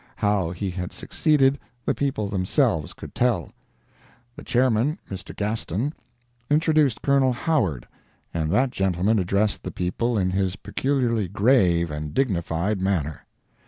How he had succeeded, the people themselves could tell... The Chairman, Mr. Gaston, introduced Colonel Howard, and that gentleman addressed the people in his peculiarly grave and dignified manner.